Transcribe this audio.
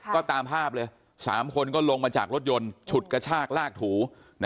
ก็ตามภาพเลย๓คนก็ลงมาจากรถยนต์ฉุดกระชากลากถู